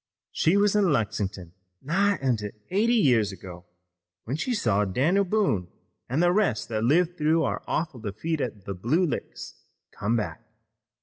She was in Lexin'ton nigh on to eighty years ago, when she saw Dan'l Boone an' the rest that lived through our awful defeat at the Blue Licks come back.